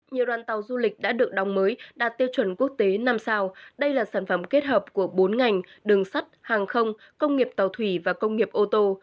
nhiều đoàn tàu du lịch đã được đóng mới đạt tiêu chuẩn quốc tế năm sao đây là sản phẩm kết hợp của bốn ngành đường sắt hàng không công nghiệp tàu thủy và công nghiệp ô tô